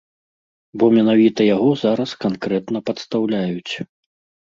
Бо менавіта яго зараз канкрэтна падстаўляюць.